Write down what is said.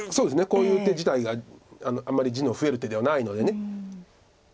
こういう手自体があんまり地の増える手ではないので。